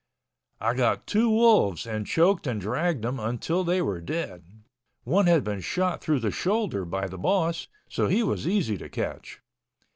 I got two wolves and choked and dragged them until they were dead. One had been shot through the shoulder by the boss, so he was easy to catch.